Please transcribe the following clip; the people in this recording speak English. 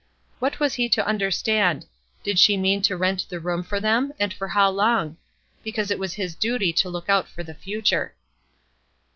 What was he to understand? Did she mean to rent the room for them, and for how long? Because it was his duty to look out for the future.